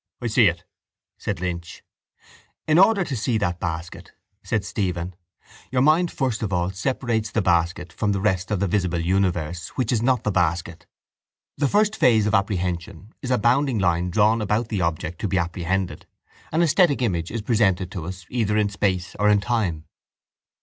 —I see it, said Lynch. —In order to see that basket, said Stephen, your mind first of all separates the basket from the rest of the visible universe which is not the basket. The first phase of apprehension is a bounding line drawn about the object to be apprehended. An esthetic image is presented to us either in space or in time.